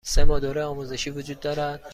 سه ماه دوره آزمایشی وجود دارد.